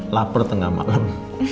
laper tengah malam